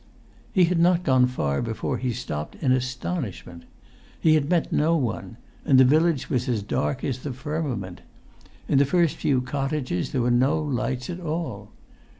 He had not gone far before he stopped in astonishment. He had met no one, and the village was as dark as the firmament; in the first few cottages there were no lights at all.